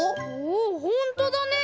おっほんとだね！